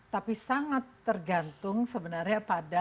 tapi sangat tergantung sebenarnya pada